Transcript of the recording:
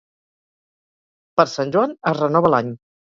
Per Sant Joan es renova l'any.